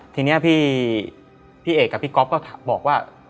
ทีนี้พี่เอกกับพี่ก๊อฟก็บอกว่า